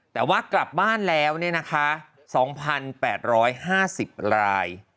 แต่ว่ากลับบ้านแล้วเนี่ยนะคะ๒๘๕๐ราย